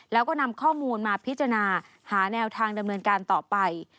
แล้วก็นำข้อมูลมาพิจารณาหาแนวทางดำเนินการต่อไป